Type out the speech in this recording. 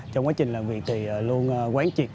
trong quá trình làm việc thì luôn quán triệt